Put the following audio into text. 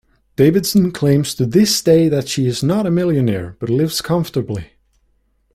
Davidson claims to this day that she is not a millionaire but lives comfortably.